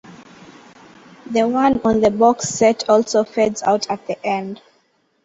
The one on the Box Set also fades out at the end.